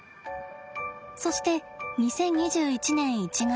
そして２０２１年１月。